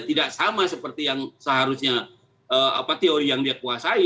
tidak sama seperti yang seharusnya teori yang dia kuasai